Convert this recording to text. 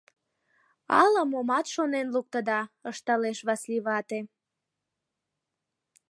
— Ала-момат шонен луктыда! — ышталеш Васлий вате.